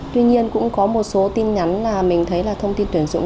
tuy nhiên cũng có một số tin nhắn là mình thấy là thông tin tuyển dụng